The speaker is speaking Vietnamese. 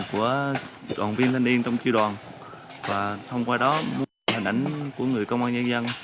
của đoàn viên thanh niên trong tri đoàn và thông qua đó hình ảnh của người công an nhân dân